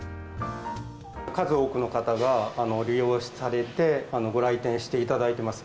数多くの方が利用されて、ご来店していただいてます。